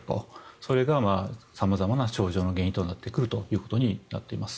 それが様々な症状の原因になってくるということになっています。